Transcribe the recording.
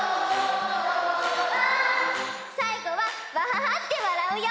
さいごは「わはは」ってわらうよ！